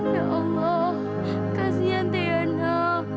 ya allah kasian tete yana